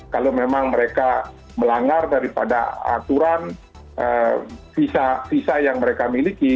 kalau memang mereka melanggar daripada aturan visa visa yang mereka miliki